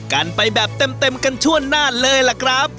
กันไปแบบเต็มกันทั่วหน้าเลยล่ะครับ